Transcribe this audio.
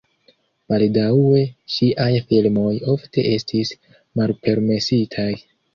Baldaŭe ŝiaj filmoj ofte estis malpermesitaj.